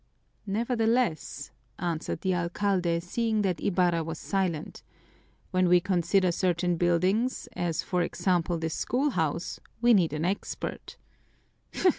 "Nevertheless," answered the alcalde, seeing that Ibarra was silent, "when we consider certain buildings, as, for example, this schoolhouse, we need an expert."